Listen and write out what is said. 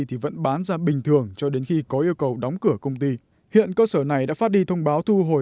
thì vẫn bán ra bình thường cho đến khi có yêu cầu đóng cửa công ty hiện cơ sở này đã phát đi thông báo thu hồi